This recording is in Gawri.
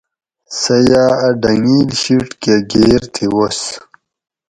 سہ یاۤ اَ ڈنگیل شیٹ کہ گیر تھی وُس